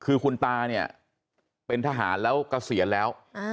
คือคุณตาเนี่ยเป็นทหารแล้วเกษียณแล้ว